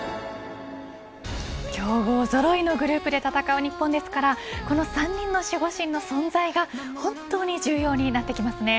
強豪ぞろいのグループで戦う日本ですからこの３人の守護神の存在が本当に重要になってきますね。